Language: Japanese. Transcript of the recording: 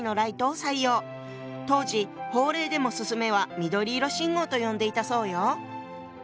当時法令でも「進め」は「緑色信号」と呼んでいたそうよ。